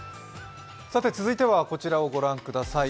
続いてはこちらを御覧ください。